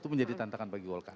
itu menjadi tantangan bagi golkar